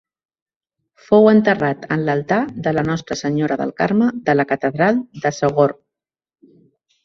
Fou enterrat en l'altar de la Nostra Senyora del Carme de la Catedral de Sogorb.